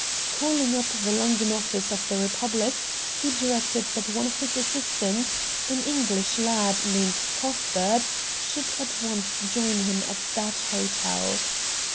Calling up the London office of the REPUBLIC, he directed that one of his assistants, an English lad named Cuthbert, should at once join him at that hotel.